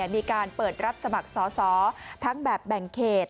มีการเปิดรับสมัครสอสอทั้งแบบแบ่งเขต